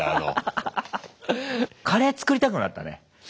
ハハハハハ！カレー作りたくなったね！